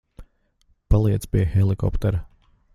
Paliec pie helikoptera.